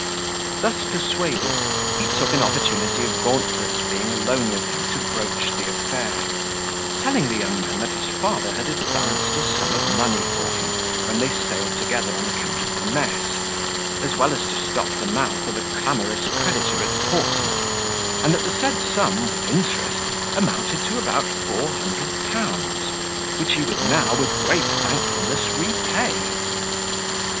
Thus persuaded, he took an opportunity of Gauntlet's being alone with him to broach the affair, telling the young man that his father had advanced a sum of money for him, when they sailed together, on account of the mess, as well as to stop the mouth of a clamorous creditor at Portsmouth; and that the said sum, with interest, amounted to about four hundred pounds, which he would now, with great thankfulness, repay.